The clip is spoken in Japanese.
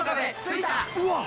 うわっ！